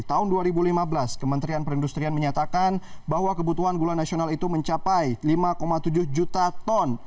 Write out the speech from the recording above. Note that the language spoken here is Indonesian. tahun dua ribu lima belas kementerian perindustrian menyatakan bahwa kebutuhan gula nasional itu mencapai lima tujuh juta ton